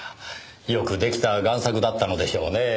よく出来た贋作だったのでしょうねぇ。